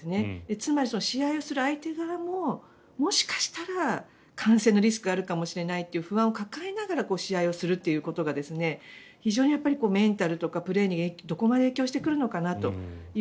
つまり、試合をする相手側ももしかしたら感染のリスクがあるかもしれないという不安を抱えながら試合をするということが非常にメンタルとかプレーにどこまで影響してくるのかなという。